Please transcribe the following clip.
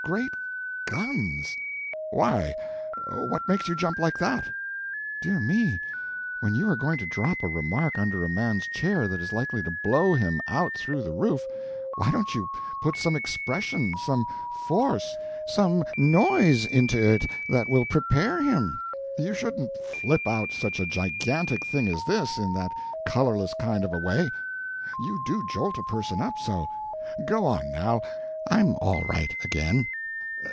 "Great guns!" "Why, what makes you jump like that?" "Dear me, when you are going to drop a remark under a man's chair that is likely to blow him out through the roof, why don't you put some expression, some force, some noise into it that will prepare him? You shouldn't flip out such a gigantic thing as this in that colorless kind of a way. You do jolt a person up, so. Go on, now, I am all right again.